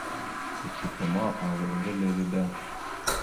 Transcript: Kucupa ma avaɗ ŋga lele da.